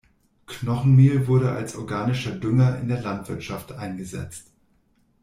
Knochenmehl wurde als organischer Dünger in der Landwirtschaft eingesetzt.